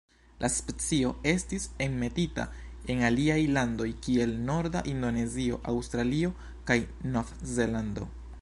La specio estis enmetita en aliaj landoj kiel norda Indonezio, Aŭstralio kaj Novzelando.